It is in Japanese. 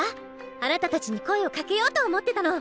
あなたたちに声をかけようと思ってたの！